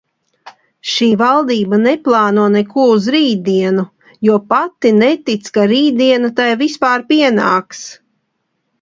Šī valdība neplāno neko uz rītdienu, jo pati netic, ka rītdiena tai vispār pienāks.